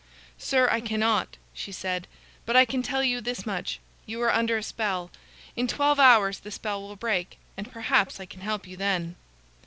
"Sir, I cannot," she said. "But I can tell you this much: you are under a spell. In twelve hours the spell will break, and perhaps I can help you then."